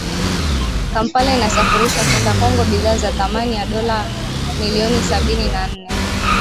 Kampala inasafirisha kwenda Congo bidhaa za thamani ya dola milioni sabini na nne